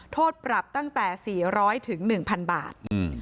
โทษปรับตั้งแต่๔๐๐๑๐๐บาท